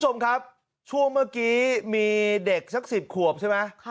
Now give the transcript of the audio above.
คุณผู้ชมครับช่วงเมื่อกี้มีเด็กสัก๑๐ขวบใช่ไหม